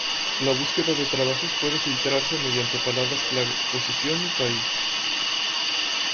La búsqueda de trabajos puede filtrarse mediante palabras clave, posición y país.